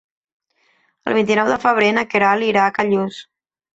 El vint-i-nou de febrer na Queralt irà a Callús.